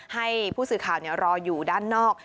ให้ผู้สื่อข่าวรออยู่ด้านนอก